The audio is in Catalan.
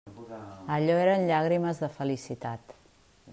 Allò eren llàgrimes de felicitat.